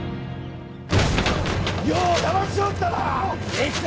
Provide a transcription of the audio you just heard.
余をだましおったな！